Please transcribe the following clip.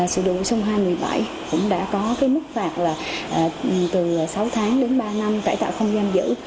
sự đủ xung hai mươi bảy cũng đã có cái mức phạt là từ sáu tháng đến ba năm cải tạo không giam giữ